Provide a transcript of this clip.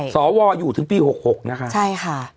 สวอยู่ถึงปี๖๖นะคะ